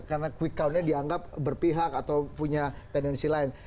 karena quick count nya dianggap berpihak atau punya tendensi lain